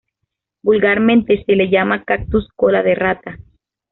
Vulgarmente se le llama cactus cola de rata.